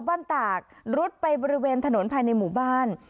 ขณะที่ตำรวจสอบพอบ้านตากรุดไปบริเวณถนนภายในหมู่บ้าน